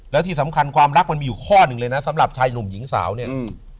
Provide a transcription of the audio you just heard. แล้วที่สำคัญความรักมันมีอยู่ข้อหนึ่งเลยนะสำหรับชายหนุ่มหญิงสาวเนี่ยอืม